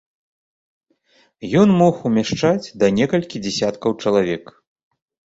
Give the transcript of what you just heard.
Ён мог умяшчаць да некалькі дзесяткаў чалавек.